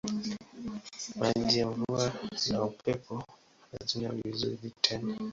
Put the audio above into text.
Maji ya mvua na upepo hazina vizuizi tena.